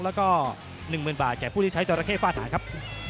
แล้วก็๑๐๐๐๐บาทแก่ผู้ที่ใช้เจ้าระเข้ฝ้าฐานครับ